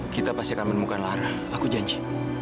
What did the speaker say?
kita pasti akan menemukan lara aku janji